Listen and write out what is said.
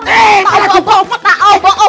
ini ikan keberuntungan